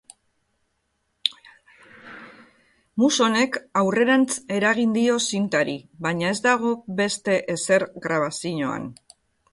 Musonek aurrerantz eragin dio zintari, baina ez dago beste ezer grabazioan.